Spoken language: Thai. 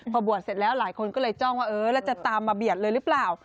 พอบวชเสร็จแล้วหลายคนก็เลยจ้องว่าเออแล้วจะตามมาเบียดเลยหรือเปล่า